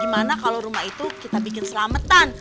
dimana kalau rumah itu kita bikin selamatan